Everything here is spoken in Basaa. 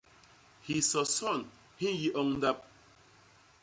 Hisoson hi nyi oñ ndap.